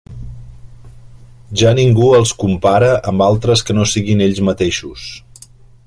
Ja ningú els compara amb altres que no siguin ells mateixos.